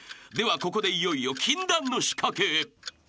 ［ではここでいよいよ禁断の仕掛けへ］